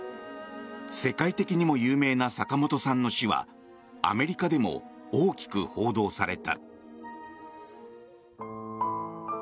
世界的にも有名な坂本さんの死はアメリカでも大きく報道された。